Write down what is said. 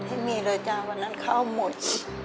ไม่มีเลยจ้าวันนั้นเข้าหมด